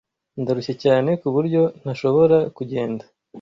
Ndarushye cyane kuburyo ntashobora kugenda.